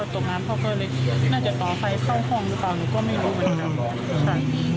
ตกนั้นพ่อก็เลยน่าจะต่อไฟเข้าห้องต่อเลยนี่ก็ไม่รู้